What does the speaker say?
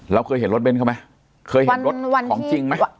แล้วเคยเห็นรถเบ้นเขาไหม